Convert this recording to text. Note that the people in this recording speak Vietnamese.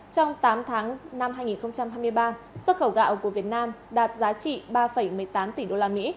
trong tám tháng năm hai nghìn hai mươi ba xuất khẩu gạo của việt nam đạt giá trị ba một mươi tám tỷ usd